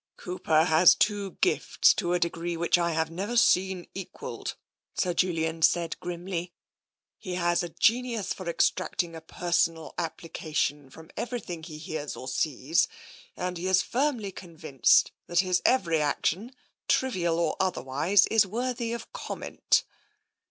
"Cooper has two gifts to a degree which I have never seen equalled," Sir Julian said grimly. " He has a genius for extracting a personal application from everything he hears or sees, and he is firmly convinced that his every action, trivial or otherwise, is worthy of comment."